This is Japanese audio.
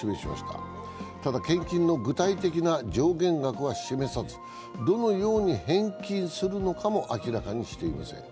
ただ、献金の具体的な上限額は示さずどのように返金するのかも明らかにしていません。